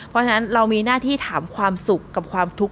เพราะฉะนั้นเรามีหน้าที่ถามความสุขกับความทุกข์